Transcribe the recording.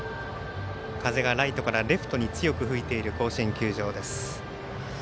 風がライトからレフトに強く吹いている甲子園球場。